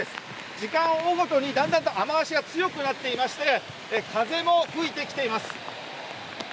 時間を追うごとに、だんだんと雨脚が強くなっていまして風も吹いてきています。